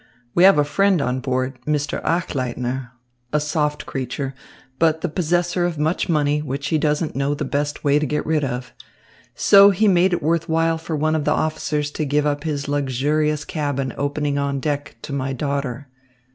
We have a friend on board, Mr. Achleitner, a soft creature, but the possessor of much money, which he doesn't know the best way to get rid of. So he made it worth while for one of the officers to give up his luxurious cabin opening on deck to my daughter.